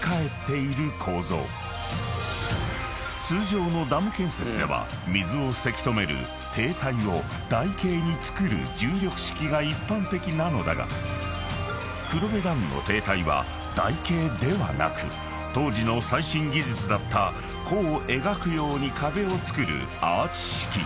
［通常のダム建設では水をせき止める堤体を台形に造る重力式が一般的なのだが黒部ダムの堤体は台形ではなく当時の最新技術だった弧を描くように壁を造るアーチ式］